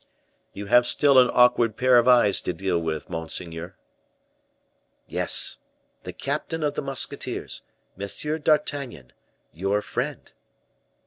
"You have still an awkward pair of eyes to deal with, monseigneur." "Yes, the captain of the musketeers, M. d'Artagnan, your friend."